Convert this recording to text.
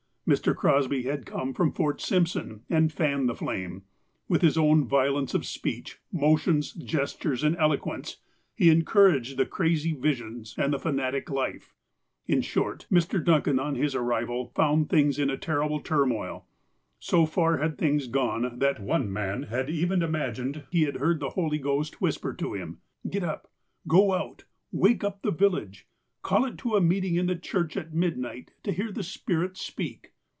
Mr. Crosby had come from Fort Simpson and fanned the flame. With his own violence of speech, motions, gestures, and eloquence, he encouraged the crazy visions and the fanatic life. In short, Mr. Duncan, on his arrival, found things in a terrible turmoil. So far had things gone, that one man had even imagined he heard the Holy Ghost whisper to him :" Get up ! Go out ! Wake up the village ! Call it to a meeting in the church at midnight to hear the Spirit speak."